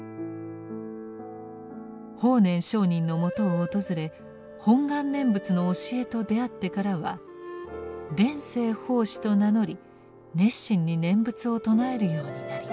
法然上人のもとを訪れ本願念仏の教えとであってからは「蓮生法師」と名乗り熱心に念仏を称えるようになります。